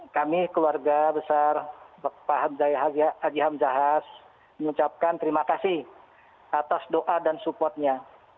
kami keluarga besar pak hamzahas mengucapkan terima kasih atas doa dan support nya